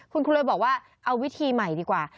คุณครูเลยบอกว่าเอาวิธีใหม่ดีกว่า